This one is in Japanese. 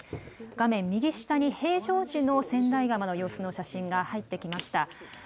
画面右下に平常時の千代川の様子の写真が入ってきました。